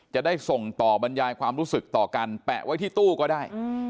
จะได้ส่งต่อบรรยายความรู้สึกต่อกันแปะไว้ที่ตู้ก็ได้